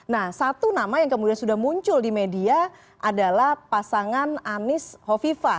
nah satu nama yang kemudian sudah muncul di media adalah pasangan anies hovifa